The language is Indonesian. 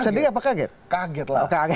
sedih apa kaget